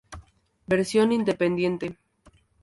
Versión independiente.